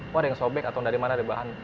wah ada yang sobek atau dari mana ada bahan